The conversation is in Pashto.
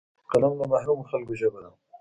قلم د محرومو خلکو ژبه ده